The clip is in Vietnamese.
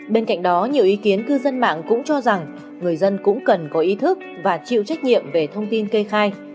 bên cạnh đó nhiều ý kiến cư dân mạng cũng cho rằng người dân cũng cần có ý thức và chịu trách nhiệm về thông tin kê khai